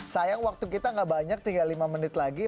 sayang waktu kita gak banyak tinggal lima menit lagi